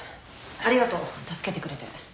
ありがとう助けてくれて。